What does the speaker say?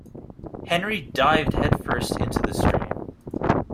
Henry dived headfirst into the stream.